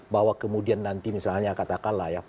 bahwa kemudian nanti misalnya katakanlah ya